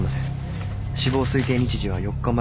死亡推定日時は４日前の夜。